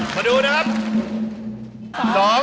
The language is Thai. มาดูนะครับ